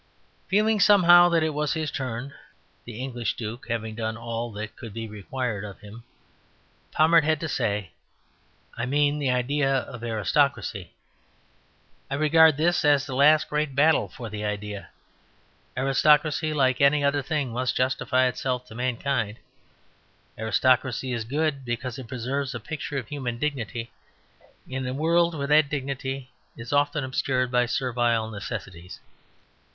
Feeling somehow that it was his turn (the English Duke having done all that could be required of him) Pommard had to say: "I mean the idea of aristocracy. I regard this as the last great battle for the idea. Aristocracy, like any other thing, must justify itself to mankind. Aristocracy is good because it preserves a picture of human dignity in a world where that dignity is often obscured by servile necessities.